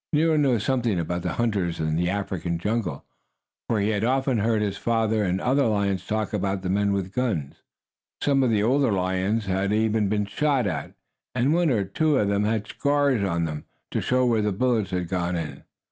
Nero knew something about the hunters in the African jungle, for he had often heard his father and the other lions talk about the men with guns. Some of the older lions had even been shot at, and one or two of them had scars on them, to show where the bullets had gone in.